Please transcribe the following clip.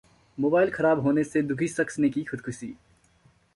mobile खराब होने से दुखी शख्स ने की खुदकुशी